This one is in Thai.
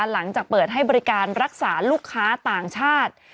หลังจากเปิดให้บริการรักษาลูกค้าต่างชาติ